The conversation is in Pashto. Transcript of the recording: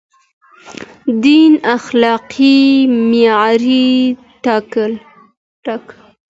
دين اخلاقي معيار ټاکه.